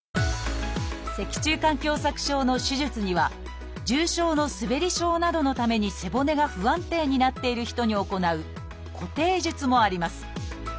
脊柱管狭窄症の手術には重症のすべり症などのために背骨が不安定になっている人に行う「固定術」もあります。